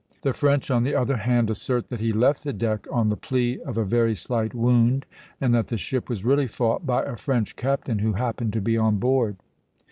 The French, on the other hand, assert that he left the deck on the plea of a very slight wound, and that the ship was really fought by a French captain who happened to be on board.